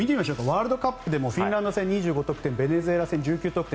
ワールドカップでもフィンランド戦でも２５得点ベネズエラ戦でも１９得点。